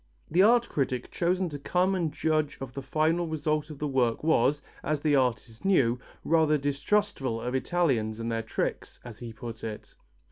The art critic chosen to come and judge of the final result of the work was, as the artist knew, rather distrustful of Italians and their tricks, as he put it.